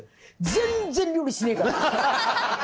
全然料理しねえから。